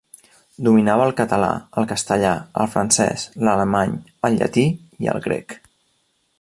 Dominava el català, el castellà, el francès, l'alemany, el llatí i el grec.